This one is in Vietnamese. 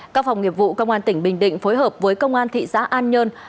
các phòng nghiệp vụ công an tỉnh bình định phối hợp với công an thị xã an nhơn